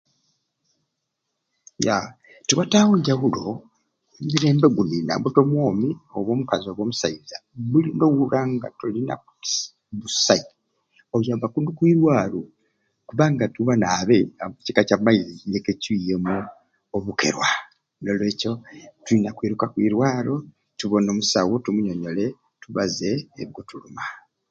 Ya tiwataawo njawulo omulembe guni nambu te omwomi oba omukazi oba musaiza buli lwowura nga tolina kusi kusai oyabaku no kwirwaro kubanga tiwanaabe kika Kya maizi kikwiemu obukerwa n'olwekyo tulina kwiruka kwirwaro tubone omusawu tumunyonyole tubaze ebikutuluma.